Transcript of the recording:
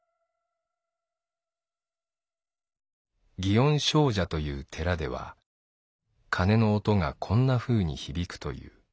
「祇園精舎という寺では鐘の音がこんなふうに響くという。